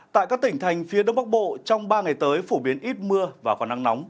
tại các tỉnh thành phía đông bắc bộ trong ba ngày tới phổ biến ít mưa và có nắng nóng